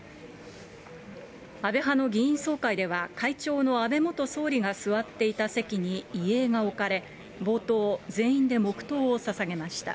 安倍派の議員総会では、会長の安倍元総理が座っていた席に遺影が置かれ、冒頭、全員で黙とうをささげました。